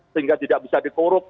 sehingga tidak bisa dikorup